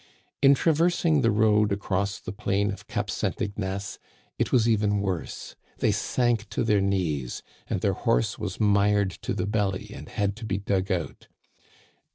In traversing the road across the plain of Cape St. Ignace it was even worse. They sank to their knees, and their horse was mired to the belly and had to be dug out.